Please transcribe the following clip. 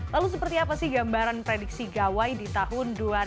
lalu seperti apa sih gambaran prediksi gawai di tahun dua ribu dua puluh